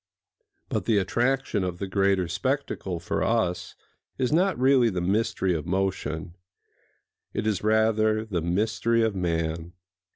But the attraction of the greater spectacle for us is not really the mystery of motion: it is rather the mystery of man.